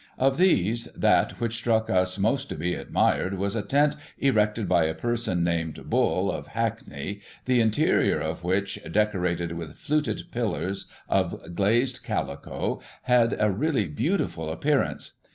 Of these, that which struck us as most to be admired, was a tent erected by a person named Bull, of Hackney, the interior of which, decorated with fluted pillars of glazed calico, had a really beautiful appearance.